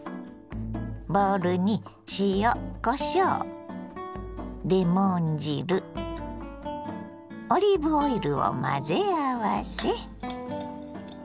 ボウルに塩こしょうレモン汁オリーブオイルを混ぜ合わせ。